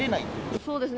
そうですね。